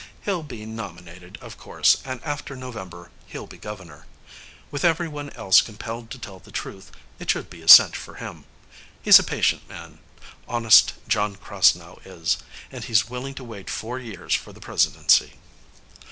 He'll be nominated, of course, and after November he'll be Governor. With everyone else compelled to tell the truth, it should be a cinch for him. He's a patient man, Honest John Krasnow is, and he's willing to wait four years for the Presidency.